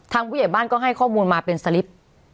ผู้ใหญ่บ้านก็ให้ข้อมูลมาเป็นสลิป